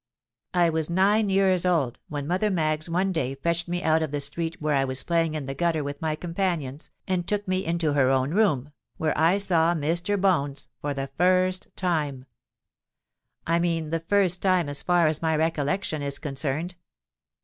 "I was nine years old when Mother Maggs one day fetched me out of the street where I was playing in the gutter with my companions, and took me into her own room, where I saw Mr. Bones for the first time—I mean the first time as far as my recollection is concerned.